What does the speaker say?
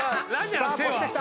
さあ越してきた！